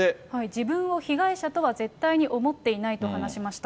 自分を被害者とは絶対に思っていないと話しました。